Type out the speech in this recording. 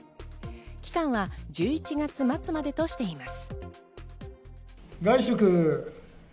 期間は１１月末までとしています。